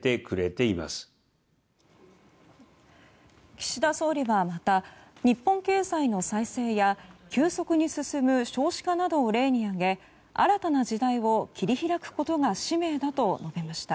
岸田総理はまた日本経済の再生や急速に進む少子化などを例に挙げ新たな時代を切り開くことが使命だと述べました。